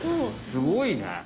すごいね。